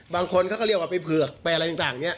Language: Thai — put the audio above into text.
บางคนเขาก็เรียกว่าไปเผือกไปอะไรต่างเนี่ย